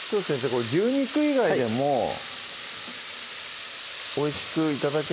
これ牛肉以外でもおいしく頂けますよね？